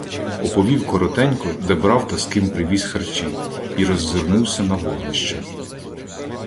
Оповів коротенько, де брав та з ким привіз харчі, і роззирнувся на вогнища: